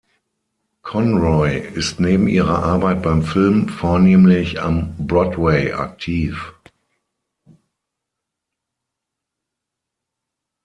Conroy ist neben ihrer Arbeit beim Film vornehmlich am Broadway aktiv.